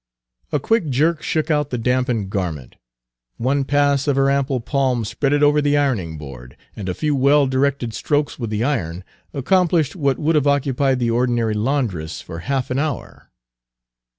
A quick jerk shook out the dampened garment; one pass of her ample palm spread it over the ironing board, and a few well directed strokes with the iron accomplished what would have occupied the ordinary laundress for half an hour.